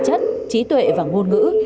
chất trí tuệ và ngôn ngữ